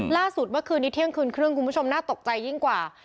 ล่าสุดเมื่อคืนนี้เที่ยงคืนครึ่งคุณผู้ชมน่าตกใจยิ่งกว่า